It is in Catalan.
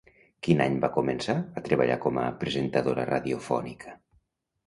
Quin any va començar a treballar com a presentadora radiofònica?